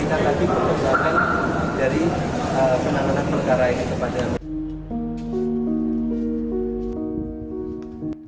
nanti akan lagi berlangsung ke arah dari penanganan perkara yang terhadap